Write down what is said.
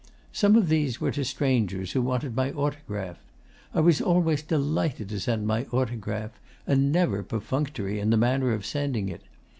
'Some of these were to strangers who wanted my autograph. I was always delighted to send my autograph, and never perfunctory in the manner of sending it....